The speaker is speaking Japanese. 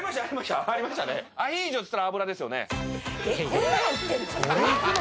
こんなの売ってんの？